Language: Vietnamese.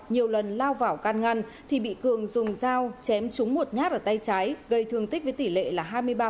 nhiều lần lao vào can ngăn thì bị cường dùng dao chém trúng một nhát ở tay trái gây thương tích với tỷ lệ là hai mươi ba